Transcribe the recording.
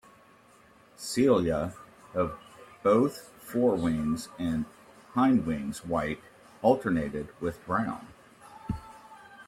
Cilia of both forewings and hindwings white, alternated with brown.